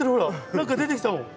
何か出てきたもん。